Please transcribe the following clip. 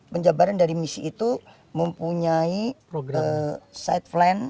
penjabaran dari misi itu mempunyai side plan